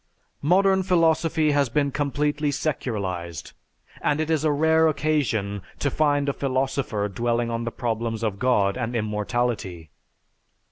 Modern philosophy has been completely secularized, and it is a rare occasion to find a philosopher dwelling on the problems of God and immortality.